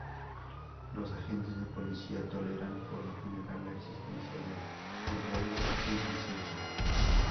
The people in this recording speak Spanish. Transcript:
Los agentes de policía toleran por lo general la existencia de burdeles sin licencia.